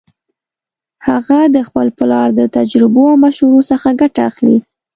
هغه د خپل پلار د تجربو او مشورو څخه ګټه اخلي